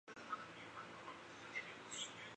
洋葱头是通过部落格进行发布更新。